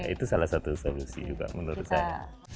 itu salah satu solusi juga menurut saya